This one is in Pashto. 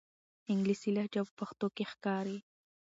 انګلیسي لهجه په پښتو کې ښکاري.